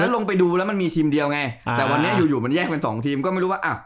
ลงไปดูแล้วมันมีทีมเดียวไงแต่วันนี้อยู่มันแยกเป็นสองทีมก็ไม่รู้ว่าอ่ะ